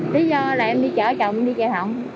lý do là em đi chở chồng đi kệ phòng